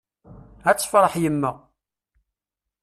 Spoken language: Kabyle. Ad tefreḥ yemma!